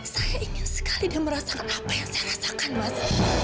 saya ingin sekali dia merasakan apa yang saya rasakan waktu